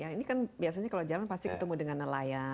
ini kan biasanya kalau jalan pasti ketemu dengan nelayan